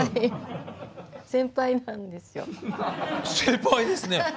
先輩ですね。